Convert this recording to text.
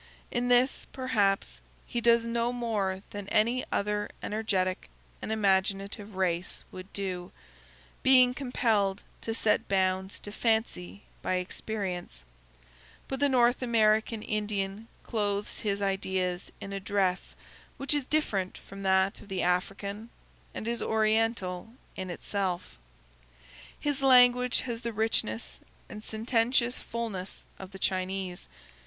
In this, perhaps, he does no more than any other energetic and imaginative race would do, being compelled to set bounds to fancy by experience; but the North American Indian clothes his ideas in a dress which is different from that of the African, and is oriental in itself. His language has the richness and sententious fullness of the Chinese.